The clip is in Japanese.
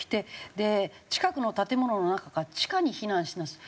「近くの建物の中か地下に避難」しなさい。